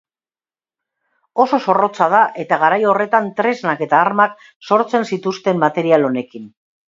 Oso zorrotza da eta garai horretan tresnak eta armak sortzen zituzten material honekin.